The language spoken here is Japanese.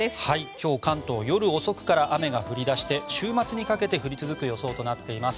今日、関東夜遅くから雨が降り出して週末にかけて降り続く予想となっています。